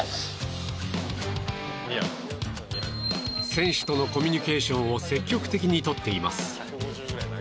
選手とのコミュニケーションを積極的にとっています。